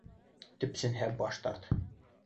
Төпсөнһә, баш тарт!